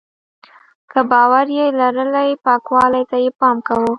که باور یې لرلی پاکوالي ته یې پام کاوه.